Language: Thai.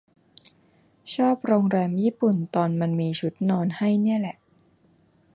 ชอบโรงแรมญี่ปุ่นตอนมันมีชุดนอนให้เนี่ยแหละ